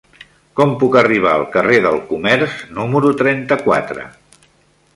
Com puc arribar al carrer del Comerç número trenta-quatre?